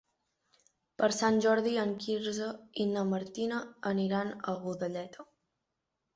Per Sant Jordi en Quirze i na Martina aniran a Godelleta.